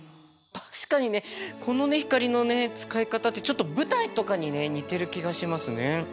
確かにねこのね光のね使い方ってちょっと舞台とかにね似てる気がしますね。